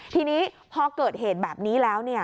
ทีนี้พอเกิดเหตุแบบนี้แล้ว